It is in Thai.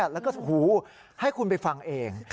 แล้วก็หูให้คุณไปฟังเอง